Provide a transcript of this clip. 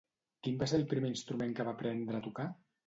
Quin va ser el primer instrument que va aprendre a tocar?